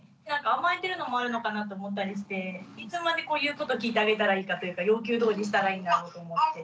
甘えてるのもあるのかなと思ったりしていつまで言うこと聞いてあげたらいいかというか要求どおりにしたらいいんだろうと思って。